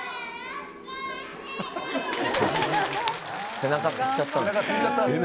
背中、つっちゃったんですよ。